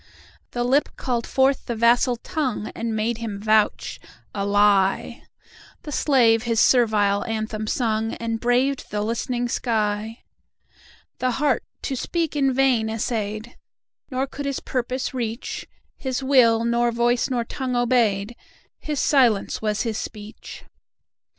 The Lip called forth the vassal Tongue, And made him vouch—a lie! The slave his servile anthem sung, And braved the listening sky. The Heart to speak in vain essayed, Nor could his purpose reach—His will nor voice nor tongue obeyed, His silence was his speech.